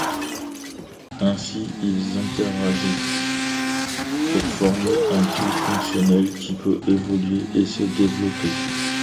Ainsi ils interagissent pour former un tout fonctionnel qui peut évoluer et se développer.